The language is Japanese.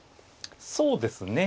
そうですね。